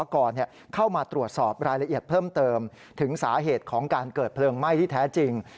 ก่อนเข้ามาตรวจสอบรายละเอียดเพิ่มเติมถึงสาเหตุของการเกิดเพลิงไหม้ที่แท้จริง